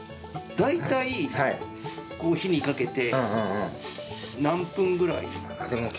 大体火にかけて何分ぐらい？